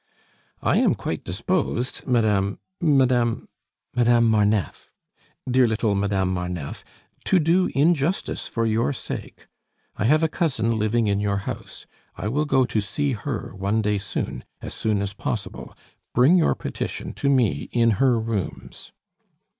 "I am quite disposed, Madame Madame ?" "Madame Marneffe." "Dear little Madame Marneffe, to do injustice for your sake. I have a cousin living in your house; I will go to see her one day soon as soon as possible; bring your petition to me in her rooms."